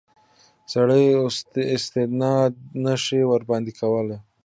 سړی استناد نه شي ورباندې کولای.